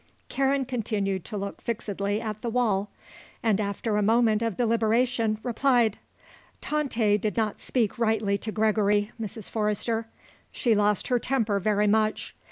Karen continued to look fixedly at the wall and after a moment of deliberation replied: "Tante did not speak rightly to Gregory, Mrs. Forrester. She lost her temper very much.